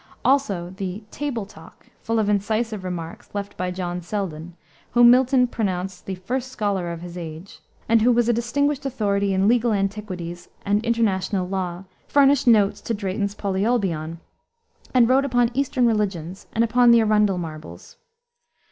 Also the Table Talk full of incisive remarks left by John Selden, whom Milton pronounced the first scholar of his age, and who was a distinguished authority in legal antiquities and international law, furnished notes to Drayton's Polyolbion, and wrote upon Eastern religions, and upon the Arundel marbles.